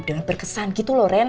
dengan berkesan gitu loh ren